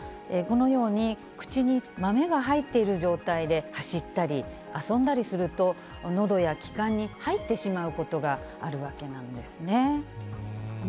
このように、口に豆が入っている状態で走ったり遊んだりすると、のどや気管に入ってしまうことがあるわけなんですね。